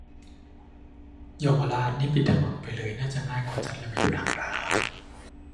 เยาวราชนี่ปิดถนนไปเลยน่าจะง่ายกว่าจัดระเบียบทางเท้า